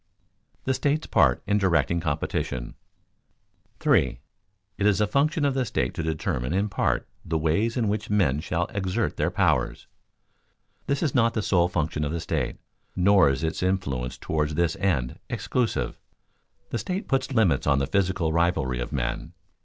[Sidenote: The state's part in directing competition] 3. It is a function of the state to determine in part the ways in which men shall exert their powers. This is not the sole function of the state, nor is its influence toward this end exclusive. The state puts limits to the physical rivalry of men.